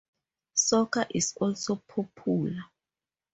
Soccer is also popular.